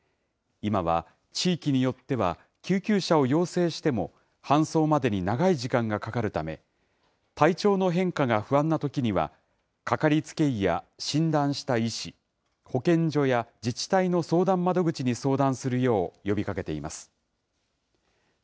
今は地域によっては、救急車を要請しても搬送までに長い時間がかかるため、体調の変化が不安なときには、掛かりつけ医や診断した医師、保健所や自治体の相談窓口に相談するよう、呼びかけています。